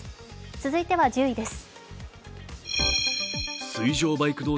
続いては１０位です。